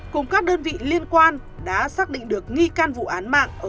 cùng các đơn vị liên quan đã xác định được nghi can vụ án mạng ở thôn đường